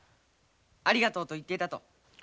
ありがとうと言ってたと。